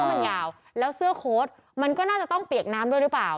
มันยาวแล้วเสื้อโค้ดมันก็น่าจะต้องเปียกน้ำด้วยหรือเปล่า